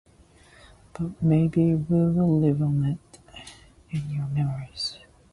But, maybe we'll live on in your memories.